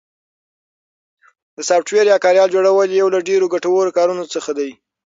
د سافټویر یا کاریال جوړل یو له ډېرو ګټورو کارونو څخه ده